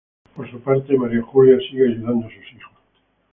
Por su parte María Julia sigue ayudando a sus hijos.